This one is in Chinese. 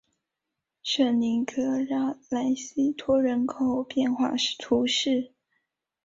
圣尼科拉莱西托人口变化图示